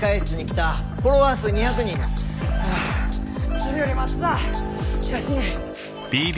それより松田写真。